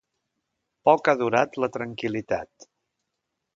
Poc ha durat la tranquil·litat.